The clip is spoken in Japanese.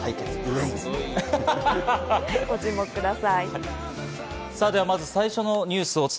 ご注目ください。